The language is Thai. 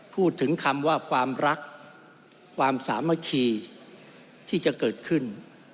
พูดถึงคำว่าความรักความสามัคคีที่จะเกิดขึ้น